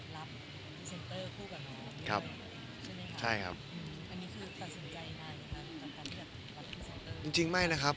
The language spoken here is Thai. รับครับใช่ไหมครับอันนี้คือตัดสินใจจริงจริงไม่นะครับ